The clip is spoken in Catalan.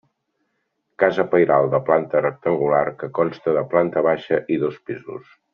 Casa pairal de planta rectangular que consta de planta baixa i dos pisos.